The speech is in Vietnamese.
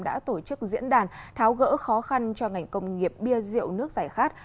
đã tổ chức diễn đàn tháo gỡ khó khăn cho ngành công nghiệp bia rượu nước giải khát